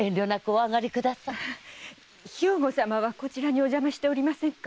兵庫様はこちらにお邪魔しておりませんか？